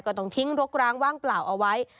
ต้องทิ้งรกร้างว่างเปล่าเอาไว้